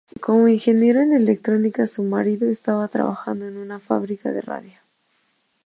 Como ingeniero en electrónica, su marido estaba trabajando en una fábrica de radio.